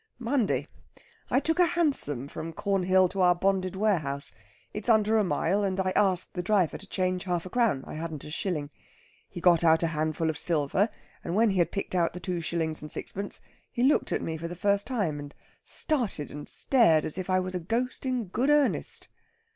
"Monday. I took a hansom from Cornhill to our bonded warehouse. It's under a mile, and I asked the driver to change half a crown; I hadn't a shilling. He got out a handful of silver, and when he had picked out the two shillings and sixpence he looked at me for the first time, and started and stared as if I was a ghost in good earnest."